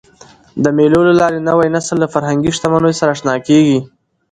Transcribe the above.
د مېلو له لاري نوی نسل له فرهنګي شتمنیو سره اشنا کېږي.